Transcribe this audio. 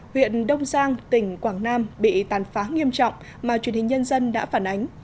huyện đông giang tỉnh quảng nam bị tàn phá nghiêm trọng mà truyền hình nhân dân đã phản ánh